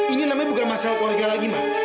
ini namanya bukan masalah keluarga lagi ma